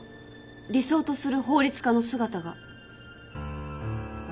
理想とする法律家の姿が。